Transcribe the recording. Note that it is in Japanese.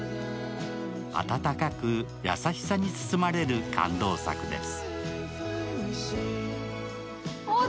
温かく、優しさに包まれる感動作です。